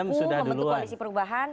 membentuk koalisi perubahan